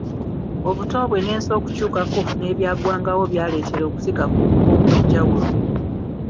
Obuto bwe n'ensi okukyukako n'ebyagwangawo byaleetera okusika kwe okuba okw'enjawulo.